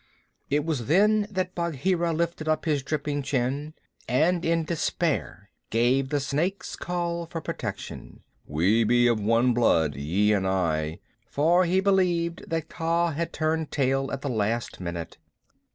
It was then that Bagheera lifted up his dripping chin, and in despair gave the Snake's Call for protection "We be of one blood, ye and I" for he believed that Kaa had turned tail at the last minute.